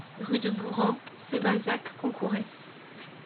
Rue de Bourran, Sébazac-Concourès